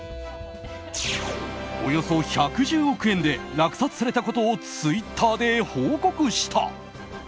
およそ１１０億円で落札されたことをツイッターで報告した。